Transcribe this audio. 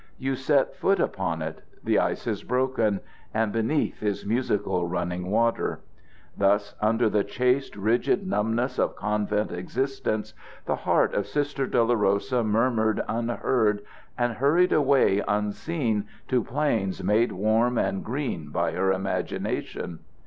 You set foot upon it, the ice is broken, and beneath is musical running water. Thus under the chaste, rigid numbness of convent existence the heart of Sister Dolorosa murmured unheard and hurried away unseen to plains made warm and green by her imagination.